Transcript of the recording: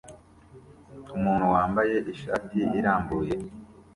Umuntu wambaye ishati irambuye